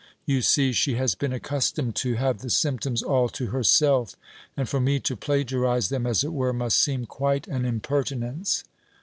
You see, she has been accustomed to have the symptoms all to herself; and for me to plagiarise them, as it were, must seem quite an impertinence.